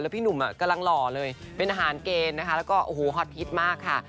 พี่หนุ่มกำลังหล่อเลยเป็นอาหารเกณฑ์นะคะแล้วก็โอ้โหฮอตฮิตมากค่ะ